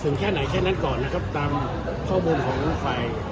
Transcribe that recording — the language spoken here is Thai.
แค่ไหนแค่นั้นก่อนนะครับตามข้อมูลของทุกฝ่าย